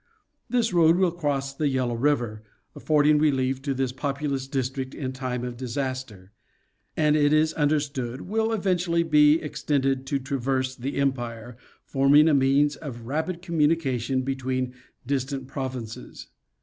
This road will cross the Yellow river, affording relief to this populous district in time of disas ter ; and it is understood will eventually be extended to traverse the empire, forming a means of rapid communication between distant provinces.